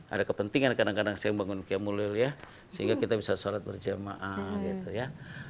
ada kepentingan kadang kadang saya yang bangunin kiam ulil ya sehingga kita bisa sholat berjamaah gitu ya